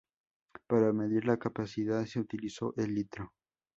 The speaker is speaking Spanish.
Para medir la capacidad se utiliza el litro.